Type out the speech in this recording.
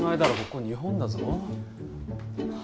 ここ日本だぞ。